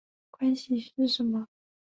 关系是什么？